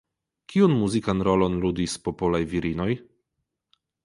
Kiun muzikan rolon ludis popolaj virinoj?